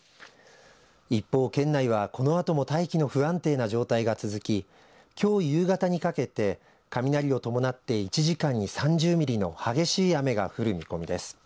一方、県内はこのあとも大気の不安定な状態が続ききょう夕方にかけて雷を伴って１時間に３０ミリの激しい雨が降る見込みです。